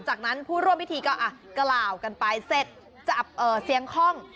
จากนั้นผู้ร่วมพิธีก็กล่าวกันไปเสร็จจับเสียงคล่อง